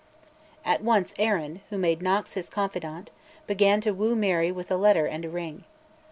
At once Arran, who made Knox his confidant, began to woo Mary with a letter and a ring.